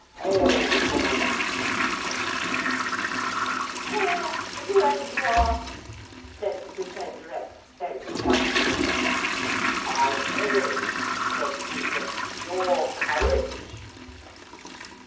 'Hail, woman!' said Caesar. 'Hail, whoever you are!' said the Pretenderette very sulkily. 'I hail,' said Caesar, 'your courage.'